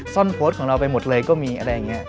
ซ่อนโพสต์ของเราไปหมดเลยก็มีอะไรอย่างนี้